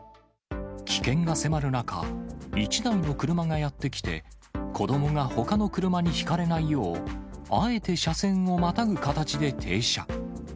危険が迫る中、一台の車がやって来て、子どもがほかの車にひかれないよう、あえて車線をまたぐ形で停車。